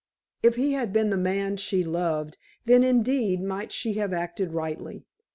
If he had been the man she loved, then indeed might she have acted rightly.